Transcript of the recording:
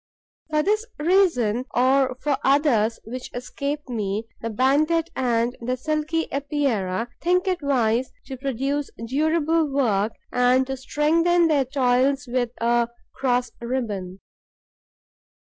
For this reason, or for others which escape me, the Banded and the Silky Epeirae think it wise to produce durable work and to strengthen their toils with a cross ribbon.